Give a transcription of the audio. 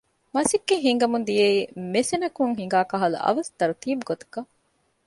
މަސައްކަތް ހިނގަމުން ދިޔައީ މެސެނަކުން ހިނގާ ކަހަލަ އަވަސް ތަރުތީބު ގޮތަކަށް